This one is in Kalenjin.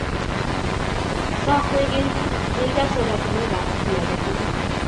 Saa kwekeny ya ikas orokenetab kiy age tugul